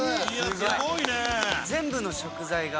すごいね！